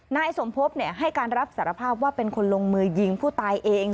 นายสมภพให้การรับสารภาพว่าเป็นคนลงมือยิงผู้ตายเอง